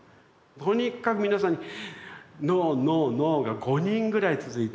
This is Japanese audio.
とにかく皆さんに「ノーノーノー！」が５人ぐらい続いて。